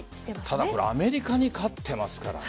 ただアメリカに勝ってますからね。